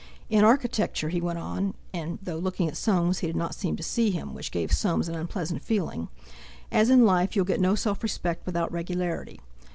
"In architecture," he went on—and though looking at Soames he did not seem to see him, which gave Soames an unpleasant feeling—"as in life, you'll get no self respect without regularity.